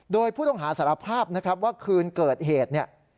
โดยผู้ต้องหาสารภาพนะครับว่าคืนเกิดเหตุเนี่ย